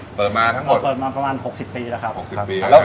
เบื่อเปิดมาทั้งหมดเปิดมาประมาณ๖๐ปีละครับ